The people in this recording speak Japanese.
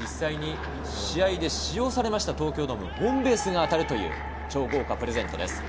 実際に試合で使用されたホームベースが当たるなど超豪華プレゼントです。